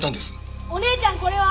お姉ちゃんこれは？